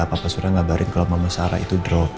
papa surya ngabarin kalau mama sarah itu drop